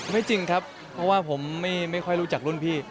จริงครับเพราะว่าผมไม่ค่อยรู้จักรุ่นพี่